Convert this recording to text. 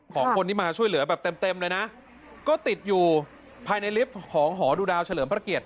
ของคนที่มาช่วยเหลือแบบเต็มเต็มเลยนะก็ติดอยู่ภายในลิฟต์ของหอดูดาวเฉลิมพระเกียรติ